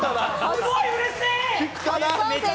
すごいうれしい！